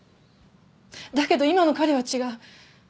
だけど今の彼は違う。